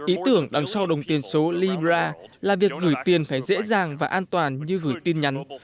ý tưởng đằng sau đồng tiền số libra là việc gửi tiền phải dễ dàng và an toàn như gửi tin nhắn